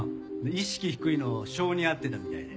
意識低いの性に合ってたみたいで。